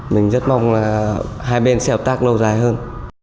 mình rất mong là hai bên sẽ hợp tác lâu dài hơn